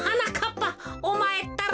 ぱおまえったら！